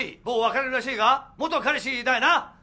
もう別れるらしいが元彼氏だよな？